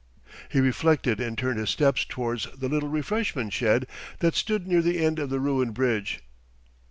He reflected and turned his steps towards the little refreshment shed that stood near the end of the ruined bridge.